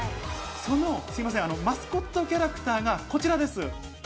その、すみません、マスコットキャラクターがこちらです。